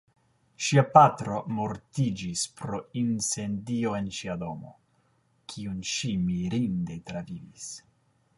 Ŝia patro mortiĝis pro incendio en ŝia domo, kiun ŝi mirinde travivis.